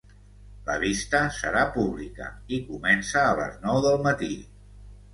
La vista serà pública i comença a les nou del matí.